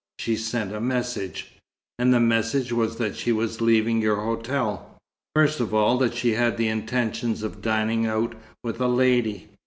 She sent a message." "And the message was that she was leaving your hotel?" "First of all, that she had the intention of dining out. With a lady."